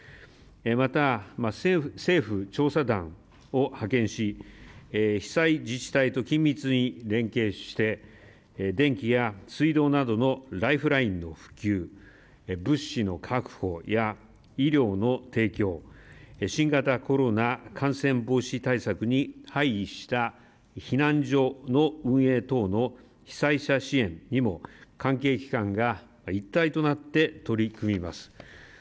また、政府調査団を派遣し被災自治体と緊密に連携して電気や水道などのライフラインの復旧、物資の確保や医療の提供、新型コロナ感染防止対策に配慮した避難所の運営等の被災者支援にも関係機関が一体となって取り組みます。